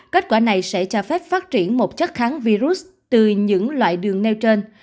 kết quả này sẽ cho phép phát triển một chất kháng virus từ những loại đường nêu trên